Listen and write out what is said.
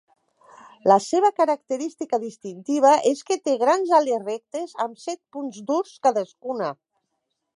La seva característica distintiva és que té grans ales rectes amb set punts durs cadascuna.